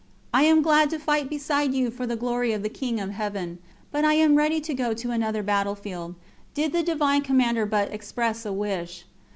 I am glad to fight beside you for the glory of the King of Heaven, but I am ready to go to another battlefield, did the Divine Commander but express a wish.